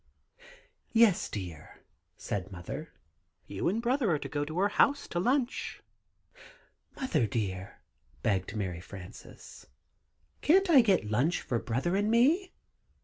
"Yes, dear," said Mother; "you and Brother are to go to her house to lunch." "Mother, dear," begged Mary Frances, "can't I get lunch for Brother and me?